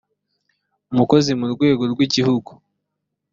umukozi mu rwego rw igihugu